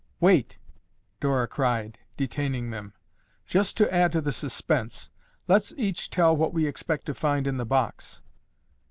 "Wait!" Dora cried, detaining them. "Just to add to the suspense, let's each tell what we expect to find in the box."